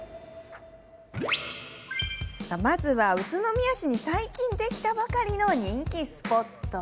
まずは、宇都宮市に最近できたばかりの人気スポットへ。